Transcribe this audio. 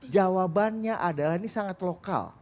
jawabannya adalah ini sangat lokal